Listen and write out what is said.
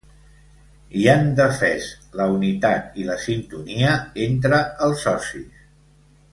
I han defès la “unitat” i la “sintonia” entre els socis.